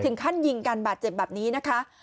ถึงขั้นยิงกันบาดเจ็บแบบนี้นะคะ